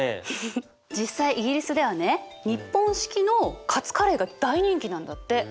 実際イギリスではね日本式のカツカレーが大人気なんだって。